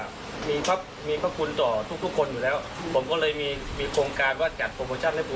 คนยายต้องเท่าไหร่ครับตอนนี้